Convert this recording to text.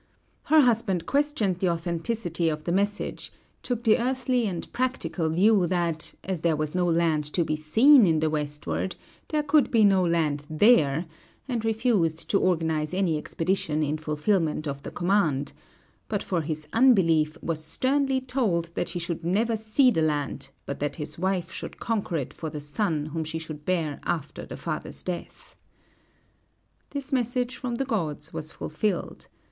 Her husband questioned the authenticity of the message, took the earthly and practical view that, as there was no land to be seen in the westward, there could be no land there, and refused to organize any expedition in fulfillment of the command; but for his unbelief was sternly told that he should never see the land, but that his wife should conquer it for the son whom she should bear after the father's death. This message from the gods was fulfilled.